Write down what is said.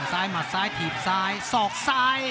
หมัดซ้ายถีบซ้ายสอกซ้าย